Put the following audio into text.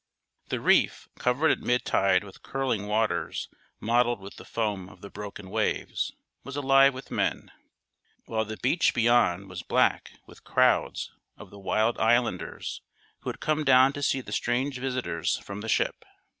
The reef, covered at mid tide with curling waters mottled with the foam of the broken waves, was alive with men; while the beach beyond was black with crowds of the wild islanders who had come down to see the strange visitors from the ship.